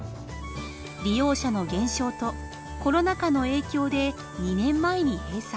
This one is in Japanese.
利用者の減少とコロナ禍の影響で２年前に閉鎖。